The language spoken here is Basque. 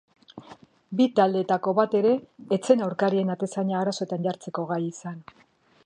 Bi taldeetako bat ere ez zen aurkariaren atezaina arazoetan jartzeko gai izan.